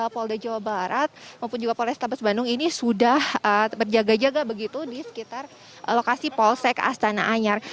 polda jawa barat maupun juga polrestabes bandung ini sudah berjaga jaga begitu di sekitar lokasi polsek astana anyar